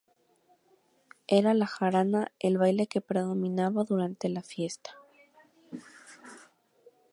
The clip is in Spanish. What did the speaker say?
Era la jarana el baile que predominaba durante la fiesta.